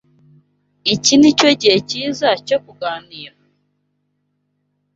Iki nicyo gihe cyiza cyo kuganira?